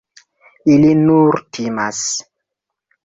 Ili nur timas.